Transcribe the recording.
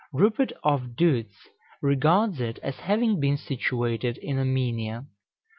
Rupert of Duytz regards it as having been situated in Armenia.